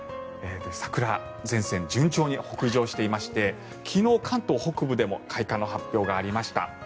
桜前線、順調に北上していまして昨日、関東北部でも開花の発表がありました。